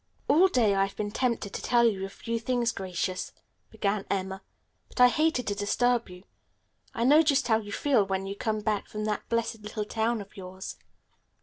"All day I've been tempted to tell you a few things, Gracious," began Emma, "but I hated to disturb you. I know just how you feel when you come back from that blessed little town of yours.